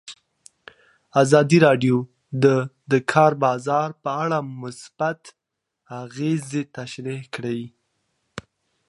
ازادي راډیو د د کار بازار په اړه مثبت اغېزې تشریح کړي.